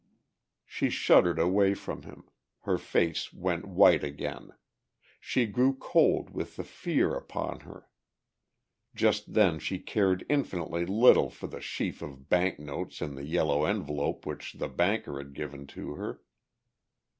She shuddered away from him, her face went white again, she grew cold with the fear upon her. Just then she cared infinitely little for the sheaf of banknotes in the yellow envelope which the banker had given to her.